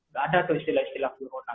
gak ada tuh istilah istilah bulhonan